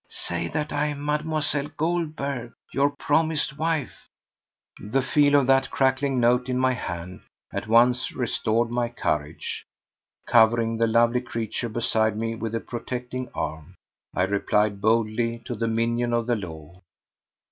Say that I am Mademoiselle Goldberg, your promised wife." The feel of that crackling note in my hand at once restored my courage. Covering the lovely creature beside me with a protecting arm, I replied boldly to the minion of the law.